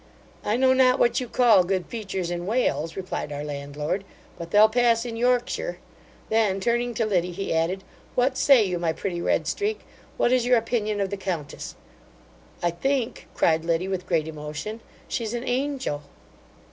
'I know not what you call good features in Wales (replied our landlord); but they'll pass in Yorkshire.' Then turning to Liddy, he added, 'What say you, my pretty Redstreak? what is your opinion of the countess?' 'I think (cried Liddy, with great emotion), she's an angel.